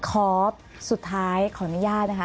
ขอสุดท้ายขออนุญาตนะคะ